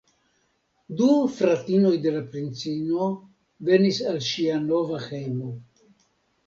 Du fratinoj de la princino venis al ŝia nova hejmo.